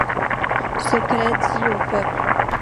Ce prêtre a dit au peuple